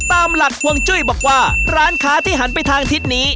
ตามหลักฮวงจุ้ยบอกว่าร้านค้าที่หันไปทางทิศนี้